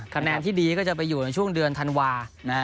คะแนนที่ดีก็จะไปอยู่ในช่วงเดือนธันวา